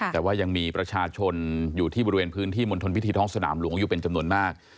แต่ว่ายังมีประชาชนอยู่ที่บริเวณพื้นที่มณฑลพิธีท้องสนามหลวงอยู่เป็นจำนวนมาก